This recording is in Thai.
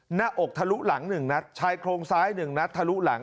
หน้าอกทะลุหลังหนึ่งนัดชายโครงซ้ายหนึ่งนัดทะลุหลัง